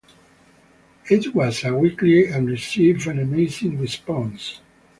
It was a weekly and received an amazing response.